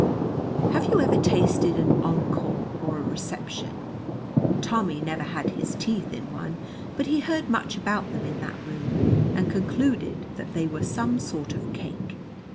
Have you ever tasted an encore or a reception? Tommy never had his teeth in one, but he heard much about them in that room, and concluded that they were some sort of cake.